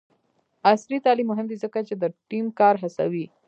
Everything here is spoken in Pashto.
عصري تعلیم مهم دی ځکه چې د ټیم کار هڅوي.